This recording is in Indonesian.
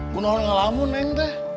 gue mau ngelamun neng